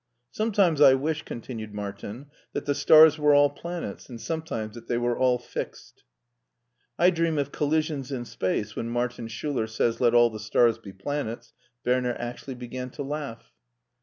" Sometimes I wish," continued Martin, " that the stars were all planets, and sometimes that they were all fixed." " I dream of collisions in space when Martin Schuler says let all the stars be planets !" Werner actually began to laugh.